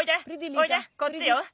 おいでこっちよ。